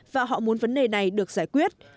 và họ muốn vấn đề này được giải quyết